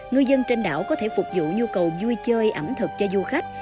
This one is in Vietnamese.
người dân trên đảo có thể phục vụ nhu cầu vui chơi ẩm thực cho du khách